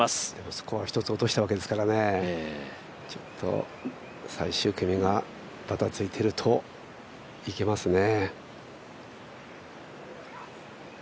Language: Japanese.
スコアを１つ落としたわけですからね、ちょっと最終組がばたついてるといけますね。